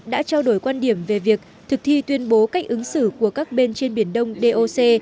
đã trao đổi quan điểm về việc thực thi tuyên bố cách ứng xử của các bên trên biển đông doc